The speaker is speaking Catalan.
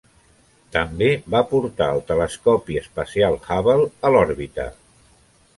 També va portar el telescopi espacial Hubble a l'òrbita.